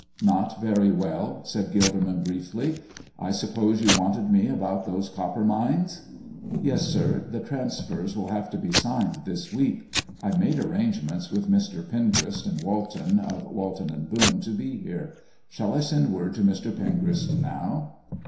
"Not very well," said Gilderman, briefly. "I suppose you wanted me about those copper mines?" "Yes, sir; the transfers will have to be signed this week. I've made arrangements with Mr. Pengrist and Walton, of Walton & Boone, to be here. Shall I send word to Mr. Pengrist now?"